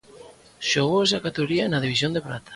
Xogou esa categoría e na división de prata.